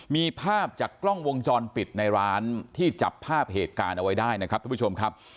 มีภาพจากกล้องวงจรปิดในร้านที่จับภาพเหตุการณ์เอาไว้ได้นะครับทุกผู้ชมครับ